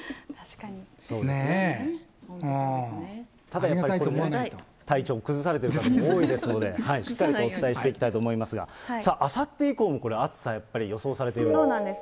もう、ただね、体調を崩されてる方も多いですので、しっかりとお伝えしていきたいと思いますが、さあ、あさって以降もこれ、暑さやっぱり、予想されているんです。